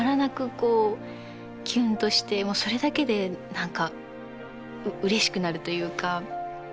こうキュンとしてもうそれだけで何かうれしくなるというか。